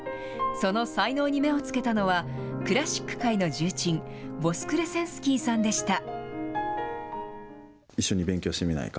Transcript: その才能に目をつけたのは、クラシック界の重鎮、ヴォスクレセンスキーさんでした。